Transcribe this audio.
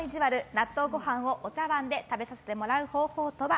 納豆ご飯をお茶わんで食べさせてもらう方法とは？